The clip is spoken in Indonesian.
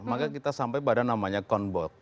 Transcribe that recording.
maka kita sampai pada namanya con bot